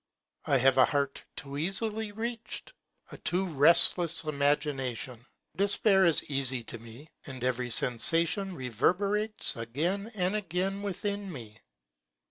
I have a heart too easily reached, a too restless imagination ; despair is easy to me, and every sensation reverberates again 'and again within me.